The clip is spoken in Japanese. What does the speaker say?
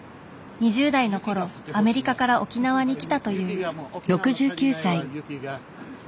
２０代の頃アメリカから沖縄に来たという。